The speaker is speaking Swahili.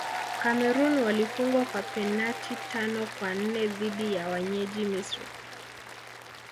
cameroon walifungwa kwa penati tano kwa nne dhidi ya wenyeji misri